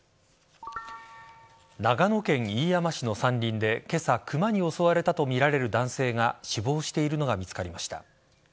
長野県飯山市の山林で今朝クマに襲われたとみられる男性が死亡しているのが見つかりました。